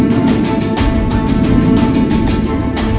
bagus kalau begitu kakang